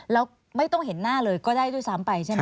แล้วไม่ต้องเห็นหน้าเลยก็ได้ด้วยซ้ำไปใช่ไหม